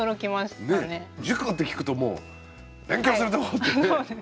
塾なんて聞くともう「勉強するとこ」ってね。